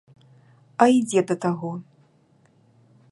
А ідзе да таго.